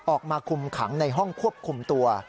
ออกมาคุมขังในห้องควบคุมตัว